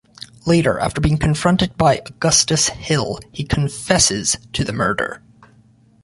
Later, after being confronted by Augustus Hill, he confesses to the murder.